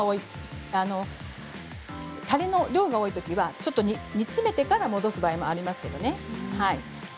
たれの量が多いときは煮詰めてから戻す場合もありますけれどね。